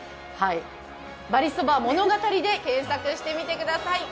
ばりそば物語で検索してみてください。